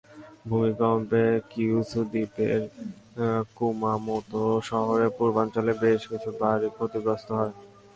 ভূমিকম্পে কিয়ুসু দ্বীপের কুমামোতো শহরের পূর্বাঞ্চলে বেশ কিছু বাড়ি ক্ষতিগ্রস্ত হয়।